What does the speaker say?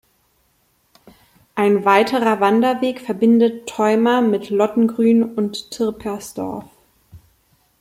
Ein weiterer Wanderweg verbindet Theuma mit Lottengrün und Tirpersdorf.